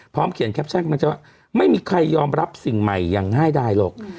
พร้อมเขียนแคปเช่นของพระเจ้าว่าไม่มีใครยอมรับสิ่งใหม่อย่างง่ายได้หรอก